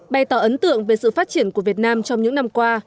bày tỏ ấn tượng về sự phát triển của việt nam trong những năm qua